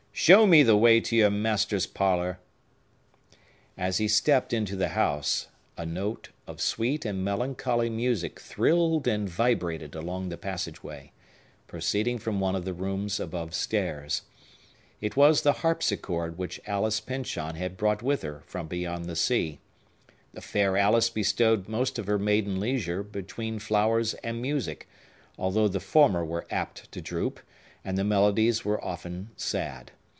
"Show me the way to your master's parlor." As he stept into the house, a note of sweet and melancholy music thrilled and vibrated along the passage way, proceeding from one of the rooms above stairs. It was the harpsichord which Alice Pyncheon had brought with her from beyond the sea. The fair Alice bestowed most of her maiden leisure between flowers and music, although the former were apt to droop, and the melodies were often sad.